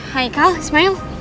hai kak ismail